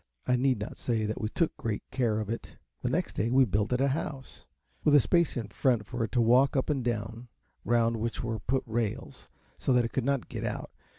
I need not say that we took great care of it. The next day we built it a house, with a space in front for it to walk up and down, round which were put rails, so that it could not get out.